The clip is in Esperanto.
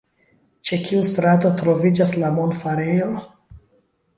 Ĉe kiu strato troviĝas la monfarejo?